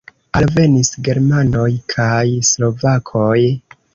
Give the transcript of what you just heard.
Alvenis germanoj kaj slovakoj.